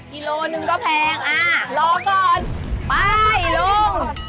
กิโลหนึ่งก็แพงอ่ารอก่อนไปลุง